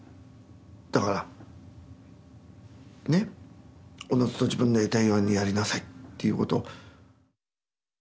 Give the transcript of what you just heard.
だからねおのずと自分のやりたいようにやりなさいっていうことを。